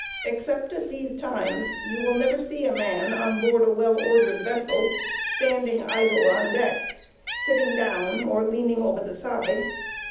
Except at these times, you will never see a man, on board a well ordered vessel, standing idle on deck, sitting down, or leaning over the side.